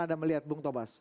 anda melihat bung tobas